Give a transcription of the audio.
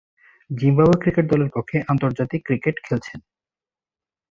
Zimbabwe cricket দলের পক্ষে আন্তর্জাতিক ক্রিকেট খেলছেন।